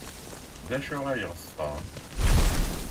D acu ay yeɣs Tom?